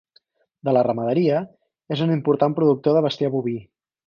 De la ramaderia, és un important productor de bestiar boví.